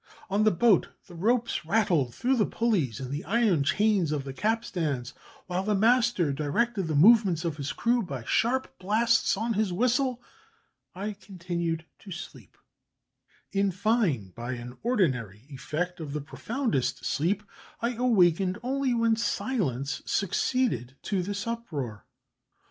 On the boat the ropes rattled through the pulleys and the iron chains of the capstans, while the master directed the movements of his crew by sharp blasts on his whistle I continued to sleep; in fine, by an ordinary effect of the profoundest sleep, I awakened only when silence succeeded to this uproar."